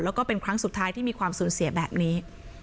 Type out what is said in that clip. แล้วก็เป็นครั้งสุดท้ายที่มีความสูญเสียแบบนี้